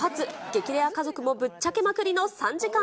激レア家族もぶっちゃけまくりの３時間。